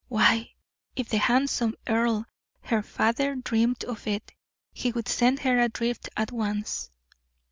Why, if the handsome earl, her father, dreamed of it, he would send her adrift at once!